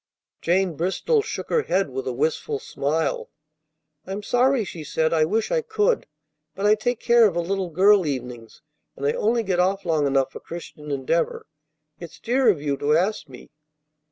Jane Bristol shook her head with a wistful smile. "I'm sorry," she said. "I wish I could. But I take care of a little girl evenings, and I only get off long enough for Christian Endeavor. It's dear of you to ask me."